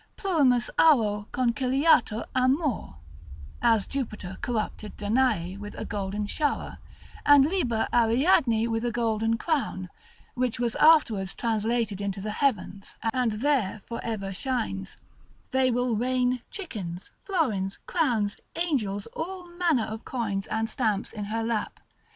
Plurimus auro conciliatur amor: as Jupiter corrupted Danae with a golden shower, and Liber Ariadne with a lovely crown, (which was afterwards translated into the heavens, and there for ever shines;) they will rain chickens, florins, crowns, angels, all manner of coins and stamps in her lap.